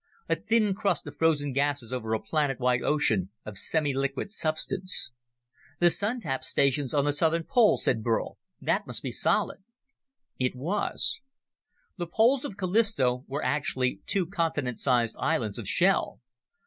A thin crust of frozen gases over a planet wide ocean of semiliquid substance." "The Sun tap station's on the southern pole," said Burl. "That must be solid." It was. The poles of Callisto were actually two continent sized islands of shell.